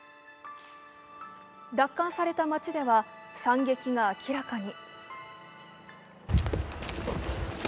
奪還された街では惨劇が明らかに。